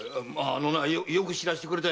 よく知らせてくれたよ。